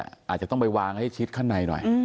อาจจะต้องไปวางให้ชิดข้างในหน่อย